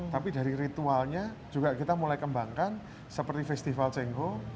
tapi dari ritualnya juga kita mulai kembangkan seperti festival cengho